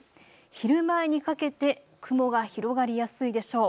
昼前にかけて雲が広がりやすいでしょう。